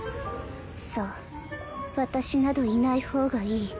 そう私などいない方がいい。